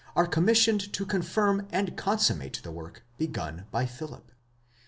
are commissioned to confirm and consummate the work begun by Philip.